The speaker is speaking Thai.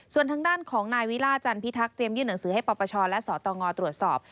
ส่วนทางด้านของนายวิล่าจันพิทักษ์เตรียมยื่นหนังสือให้ปปชและสตงตรวจสอบ